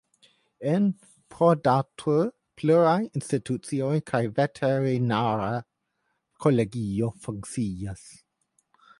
En Proddatur pluraj institutoj kaj veterinara kolegio funkcias.